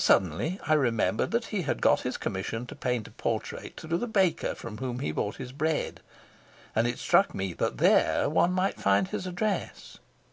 Suddenly I remembered that he had got his commission to paint a portrait through the baker from whom he bought his bread, and it struck me that there one might find his address.